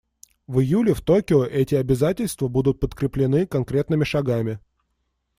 В июле в Токио эти обязательства будут подкреплены конкретными шагами.